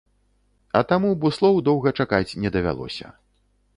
А таму буслоў доўга чакаць не давялося.